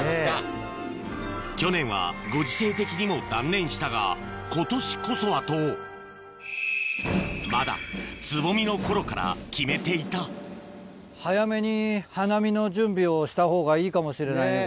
去年はご時世的にも断念したが今年こそはとまだ蕾の頃から決めていたしたほうがいいかもしれないよ